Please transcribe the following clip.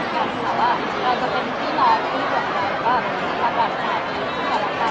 ก็เดี๋ยวขอใช้คำว่าเดอบปรับธนตราภารกันพี่หงข์พี่ฝังไป